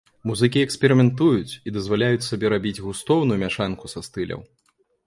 Музыкі эксперыментуюць і дазваляюць сабе рабіць густоўную мяшанку са стыляў.